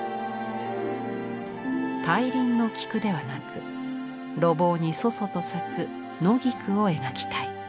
「大輪の菊ではなく路傍に楚々と咲く野菊を描きたい」。